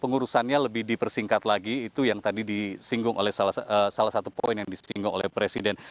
pengurusannya lebih dipersingkat lagi itu yang tadi disinggung oleh salah satu poin yang disinggung oleh presiden